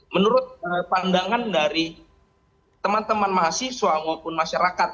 menurut pandangan dari teman teman mahasiswa maupun masyarakat